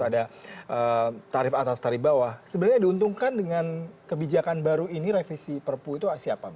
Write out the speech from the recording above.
dengan kebijakan baru ini revisi perpu itu siapa